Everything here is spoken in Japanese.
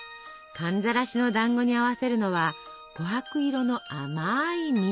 寒ざらしのだんごに合わせるのはこはく色の甘い蜜。